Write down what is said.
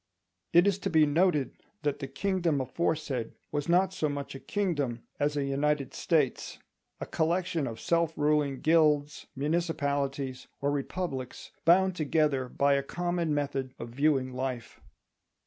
It is to be noted that the kingdom aforesaid was not so much a kingdom as a United States—a collection of self ruling guilds, municipalities, or republics, bound together by a common method of viewing life.